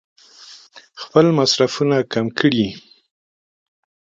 خپل مصرفونه کم کړي.